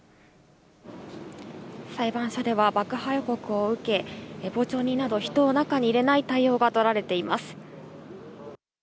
裁判所では、爆破予告を受け、傍聴人など、人を中に入れない対応が取られています。